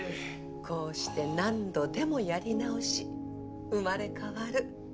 こうして何度でもやり直し生まれ変わる。